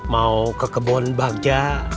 mau ke kebun bagja